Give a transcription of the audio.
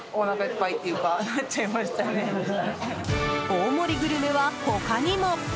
大盛りグルメは他にも。